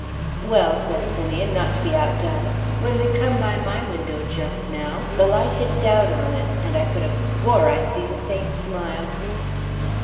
"Well," said Simeon, not to be outdone, "when we come by my window just now, the light hit down on it and I could of swore I see the saint smile."